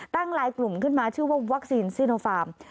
ลายกลุ่มขึ้นมาชื่อว่าวัคซีนซีโนฟาร์ม